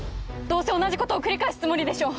どうせ同じことを繰り返すつもりでしょ！